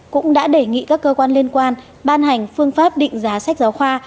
cũng đã đề nghị các cơ quan liên quan ban hành phương pháp định giá sách giáo khoa